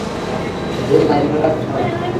তিনি আসাম বিধানসভার একজন বিধায়ক।